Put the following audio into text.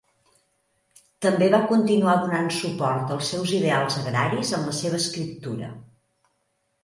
També va continuar donant suport als seus ideals agraris en la seva escriptura.